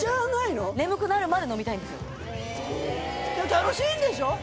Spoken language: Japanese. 楽しいでしょ？